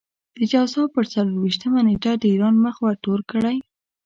د جوزا پر څلور وېشتمه نېټه د ايران مخ ورتور کړئ.